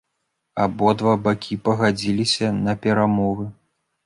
Абодва бакі пагадзіліся на перамовы.